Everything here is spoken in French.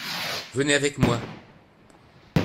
Venez avec moi !